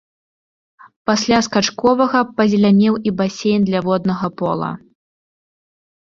Пасля скачковага пазелянеў і басейн для воднага пола.